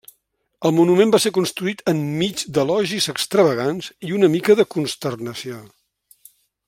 El monument va ser construït enmig d'elogis extravagants i una mica de consternació.